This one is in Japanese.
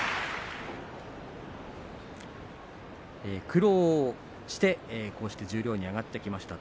苦労して十両に上がってきました